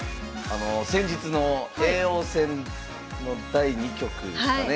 先日の叡王戦の第２局ですかね